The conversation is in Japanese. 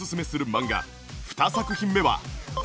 漫画２作品目は。